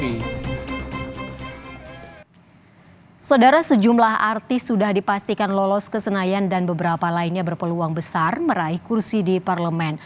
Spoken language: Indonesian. saudara sejumlah artis sudah dipastikan lolos ke senayan dan beberapa lainnya berpeluang besar meraih kursi di parlemen